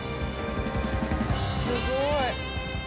すごい。